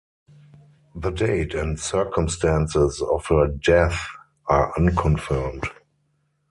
The date and circumstances of her death are unconfirmed.